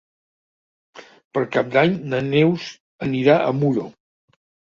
Per Cap d'Any na Neus anirà a Muro.